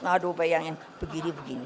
aduh bayangin begini begini